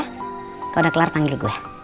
kalau udah kelar panggil gua